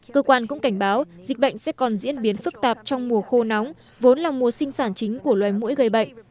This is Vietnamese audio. cơ quan cũng cảnh báo dịch bệnh sẽ còn diễn biến phức tạp trong mùa khô nóng vốn là mùa sinh sản chính của loài mũi gây bệnh